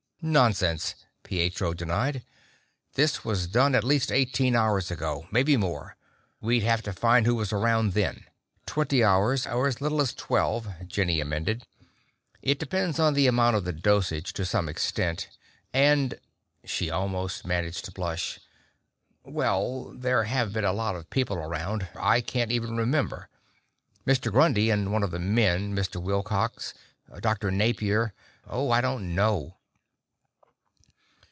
"Nonsense," Pietro denied. "This was done at least eighteen hours ago, maybe more. We'd have to find who was around then." "Twenty hours, or as little as twelve," Jenny amended. "It depends on the amount of the dosage, to some extent. And...." She almost managed to blush. "Well, there have been a lot of people around. I can't even remember. Mr. Grundy and one of the men, Mr. Wilcox, Dr. Napier oh, I don't know!"